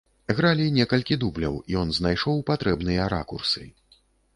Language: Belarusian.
Гралі некалькі дубляў, ён знайшоў патрэбныя ракурсы.